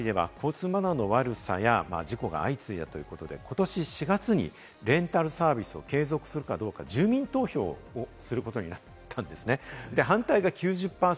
さらにフランス・パリでは交通マナーの悪さや事故が相次いだということで、ことし４月にレンタルサービスを継続するかどうか住民投票をすることになったんですね。